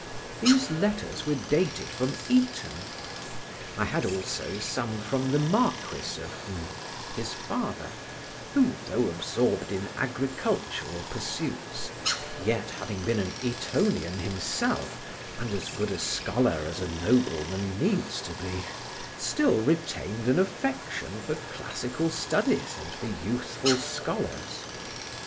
These letters were dated from Eton. I had also some from the Marquis of ——, his father, who, though absorbed in agricultural pursuits, yet having been an Etonian himself, and as good a scholar as a nobleman needs to be, still retained an affection for classical studies and for youthful scholars.